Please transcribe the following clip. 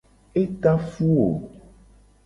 E ta fu wo.